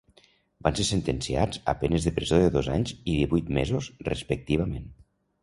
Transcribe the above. Van ser sentenciats a penes de presó de dos anys i divuit mesos respectivament.